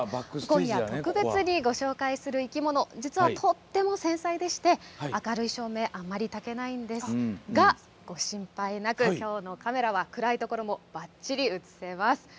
今夜、特別にご紹介する生き物、実は、とっても繊細でして明るい照明あまりたけないんですがご心配なく、きょうのカメラは暗いところもばっちり映せます。